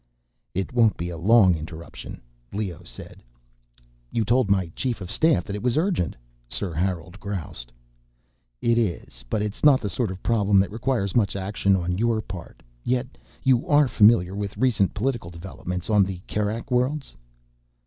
"It won't be a long interruption," Leoh said. "You told my chief of staff that it was urgent," Sir Harold groused. "It is. But it's not the sort of problem that requires much action on your part. Yet. You are familiar with recent political developments on the Kerak Worlds?"